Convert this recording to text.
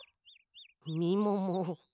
みもも。